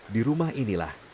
di rumah inilah